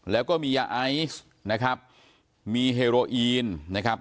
แล้วก็มียาไอซ์นะครับมีเฮโรอีนนะครับ